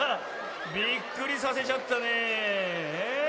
びっくりさせちゃったねえ。